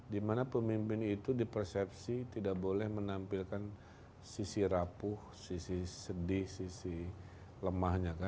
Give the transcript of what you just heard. dimana pemimpin itu di persepsi tidak boleh menampilkan sisi rapuh sisi sedih sisi lemahnya